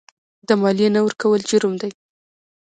د مالیې نه ورکول جرم دی.